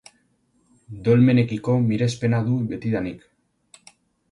Dolmenekiko mirespena du betidanik.